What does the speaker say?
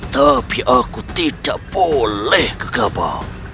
tapi aku tidak boleh ke gaba